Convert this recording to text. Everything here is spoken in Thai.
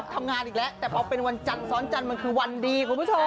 ทำงานอีกแล้วแต่พอเป็นวันจันทร์ซ้อนจันทร์มันคือวันดีคุณผู้ชม